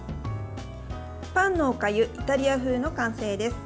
パンのおかゆイタリア風の完成です。